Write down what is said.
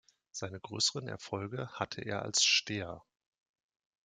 Seine größeren Erfolge hatte er als Steher.